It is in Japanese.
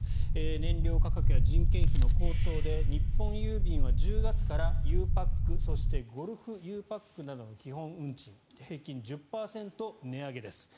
燃料価格や人件費の高騰で日本郵便は１０月からゆうパックそして、ゴルフゆうパックなどの基本運賃平均１０％値上げです。